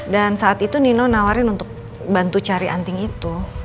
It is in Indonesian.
dan saat itu nino nawarin untuk bantu cari anting itu